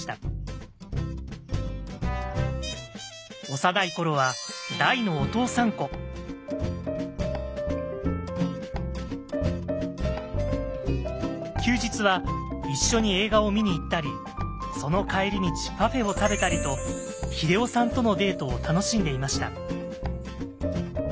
幼い頃は大の休日は一緒に映画を見に行ったりその帰り道パフェを食べたりと英夫さんとのデートを楽しんでいました。